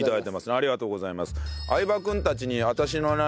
ありがとうございます。